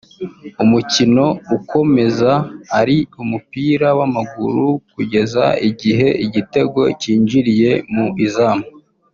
umukino ukomeza ari umupira w’amaguru kugeza igihe igitego kinjiriye mu izamu